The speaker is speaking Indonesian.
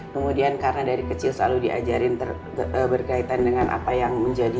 kemudian karena dari kecil selalu diajarin berkaitan dengan apa yang menjadi